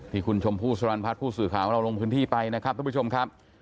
ที่คุณชมพู่สรรพัฒน์ผู้สื่อข่าวของเราลงพื้นที่ไปนะครับทุกผู้ชมครับ